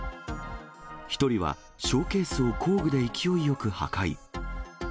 １人はショーケースを工具で勢いよく破壊。